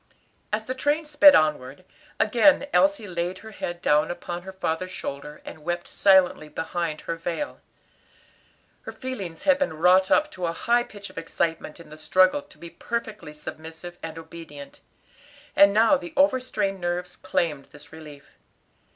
As the train sped onward, again Elsie laid her head down upon her father's shoulder and wept silently behind her veil. Her feelings had been wrought up to a high pitch of excitement in the struggle to be perfectly submissive and obedient, and now the overstrained nerves claimed this relief.